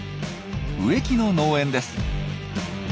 植木の農園です。